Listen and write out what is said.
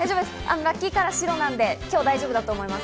ラッキーカラー白なので今日、大丈夫だと思います。